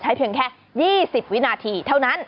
เพียงแค่๒๐วินาทีเท่านั้น